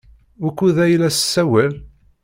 Wukud ay la tessawal?